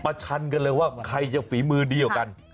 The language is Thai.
ชันกันเลยว่าใครจะฝีมือดีกว่ากัน